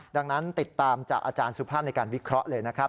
ดังนั้นติดตามจากอาจารย์สุภาพในการวิเคราะห์เลยนะครับ